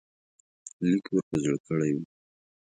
لیک ور په زړه کړی وو.